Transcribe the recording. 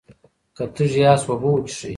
که تږي یاست، اوبه وڅښئ.